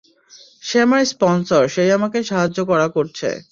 সে আমার স্পনসর, সে-ই আমাকে সাহায্য করা করছে।